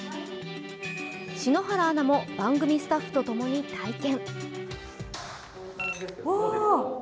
篠原アナも番組スタッフと共に体験。